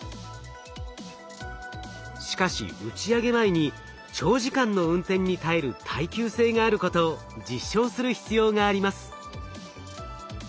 しかし打ち上げ前に長時間の運転に耐える耐久性があることを実証する必要があります。